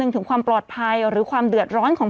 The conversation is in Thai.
ผู้ต้องหาที่ขับขี่รถจากอายานยนต์บิ๊กไบท์